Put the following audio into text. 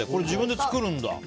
自分で作るんだ。